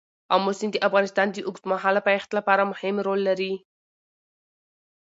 آمو سیند د افغانستان د اوږدمهاله پایښت لپاره مهم رول لري.